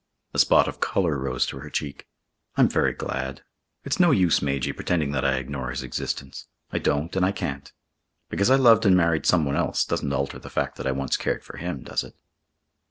A spot of colour rose to her cheek. "I'm very glad. It's no use, Majy, pretending that I ignore his existence. I don't and I can't. Because I loved and married someone else doesn't alter the fact that I once cared for him, does it?"